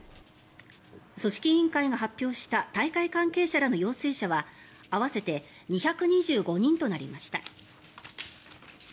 組織委員会が発表した大会関係者らの陽性者は合わせて２２５人となりました。